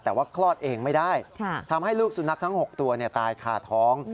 แต่ว่าคลอดเองไม่ได้ทำให้ลูกสุนัขทั้ง๖ตัวตายคาท้อง